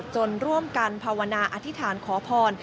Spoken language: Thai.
ที่ยอดจนร่วมกันภาวนาอธิษฐานขอพร